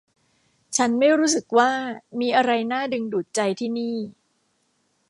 ฉันไม่รู้สึกว่ามีอะไรน่าดึงดูดใจที่นี่